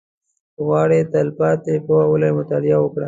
• که غواړې تلپاتې پوهه ولرې، مطالعه وکړه.